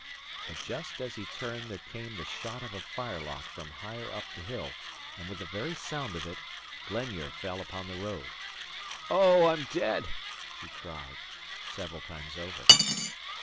But just as he turned there came the shot of a firelock from higher up the hill; and with the very sound of it Glenure fell upon the road. "O, I am dead!" he cried, several times over.